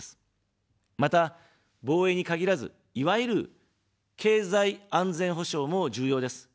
また、防衛に限らず、いわゆる経済安全保障も重要です。